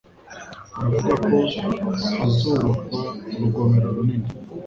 Bavuga ko hazubakwa urugomero runini.